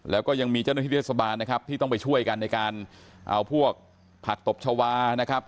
แล้วก็ยังมีเจ้าหน้าที่เทศบาลนะครับที่ต้องไปช่วยกันในการเอาพวกผักตบชาวานะครับ